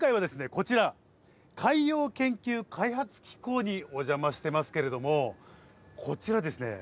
こちら海洋研究開発機構にお邪魔してますけれどもこちらですね